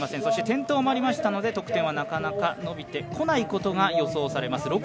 そして転倒もありましたので得点はなかなか伸びてこないことが予想されます。